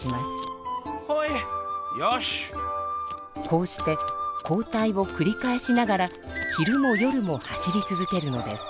こうして交代をくり返しながら昼も夜も走り続けるのです。